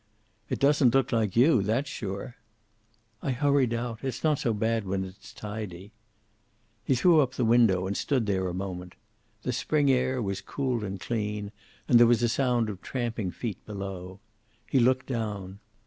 "It doesn't look like you. That's sure." "I hurried out. It's not so bad when it's tidy." He threw up the window, and stood there a moment. The spring air was cool and clean, and there was a sound of tramping feet below. He looked down.